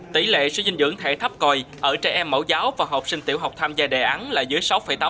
tỷ lệ suy dinh dưỡng thể thấp còi ở trẻ em mẫu giáo và học sinh tiểu học tham gia đề án là dưới sáu tám